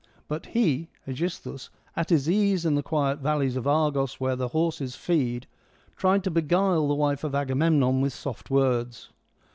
But he— iEgisthus — at his ease in the quiet valleys of Argos, where the horses feed, tried to beguile the wife of Agamemnon with soft words.